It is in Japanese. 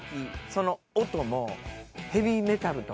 その音も。